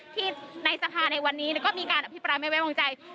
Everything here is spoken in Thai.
ที่ในสภาในวันนี้ก็มีการอภิปรายไม่ไว้วางใจ